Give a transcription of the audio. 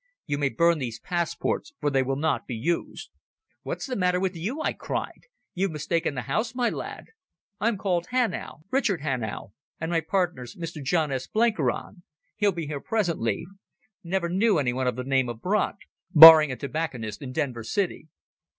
"You may burn these passports for they will not be used." "Whatever's the matter with you?" I cried. "You've mistaken the house, my lad. I'm called Hanau—Richard Hanau—and my partner's Mr John S. Blenkiron. He'll be here presently. Never knew anyone of the name of Brandt, barring a tobacconist in Denver City."